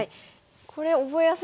これ覚えやすいですね。